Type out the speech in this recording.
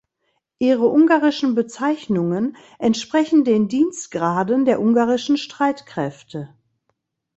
Ihre ungarischen Bezeichnungen entsprechen den Dienstgraden der Ungarischen Streitkräfte.